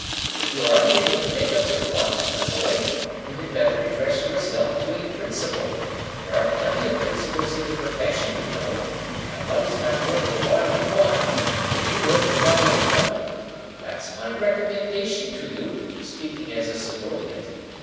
If you are unable to make up your quantum, my boy, you had better address yourself to a principal; there are plenty of principals in the profession, you know, and what is not worth the while of one, may be worth the while of another; that's my recommendation to you, speaking as a subordinate.